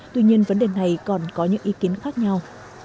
tuy nhiên vấn đề này còn có những ý kiến khác nhau